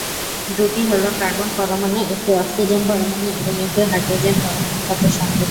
দুটি হলো কার্বন পরমাণু, একটি অক্সিজেন পরমাণু এবং একটি হাইড্রোজেন পরমাণুর সাথে সংযুক্ত।